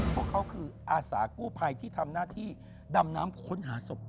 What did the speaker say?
พวกเขาคืออาสากู้ภัยที่ทำหน้าที่ดำน้ำค้นหาศพ